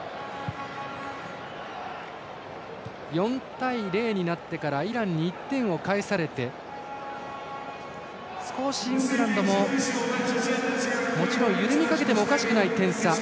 ４対０になってからイランに１点を返されて少しイングランドももちろん緩みかけてもおかしくない点差。